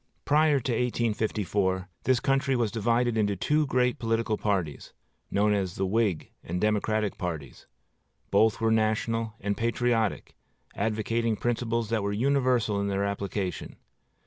Prior to 1854, this country was divided into two great political parties, known as the Whig and Democratic parties. Both were national and patriotic, advocating principles that were universal in their application.